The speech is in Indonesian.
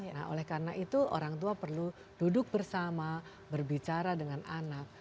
nah oleh karena itu orang tua perlu duduk bersama berbicara dengan anak